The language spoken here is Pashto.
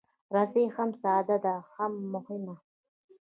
رسۍ هم ساده ده، هم مهمه.